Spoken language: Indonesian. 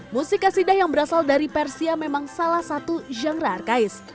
musik kasidah yang berasal dari persia memang salah satu genre arkais